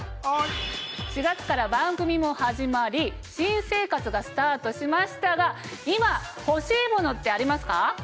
４月から番組も始まり新生活がスタートしましたが今欲しいものってありますか？